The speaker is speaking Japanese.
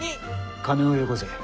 金をよこせ。